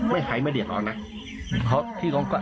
ไม่ใช้ไม่เดี๋ยวตอนน่ะ